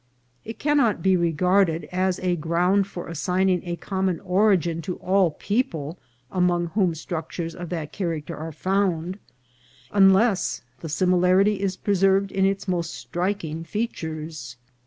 It cannot be regarded, as a ground for assigning a common origin to all people among whom structures of that character are found, un less the similarity is preserved in its most striking fea tures.